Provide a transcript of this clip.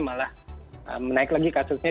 malah menaik lagi kasusnya